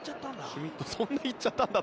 そんなにいっちゃったんだ。